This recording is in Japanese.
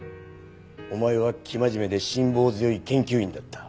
お前は生真面目で辛抱強い研究員だった。